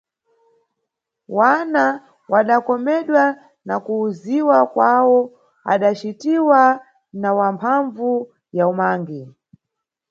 Wana wadakomedwa na kuwuziwa kwawo adacitiwa na wamphambvu ya umangi.